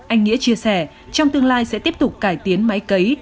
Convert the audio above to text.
anh nghĩa chia sẻ trong tương lai sẽ tiếp tục cải tiến máy cấy